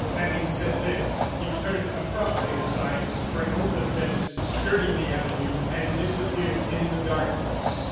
Having said this, he turned abruptly aside, sprang over the fence skirting the avenue, and disappeared in the darkness.